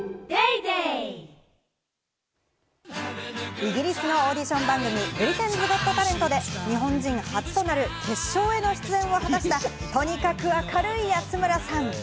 イギリスのオーディション番組『ブリテンズ・ゴット・タレント』で日本人初となる決勝への出演を果たした、とにかく明るい安村さん。